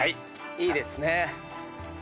いいですね。